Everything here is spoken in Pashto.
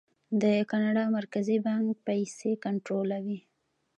د کاناډا مرکزي بانک پیسې کنټرولوي.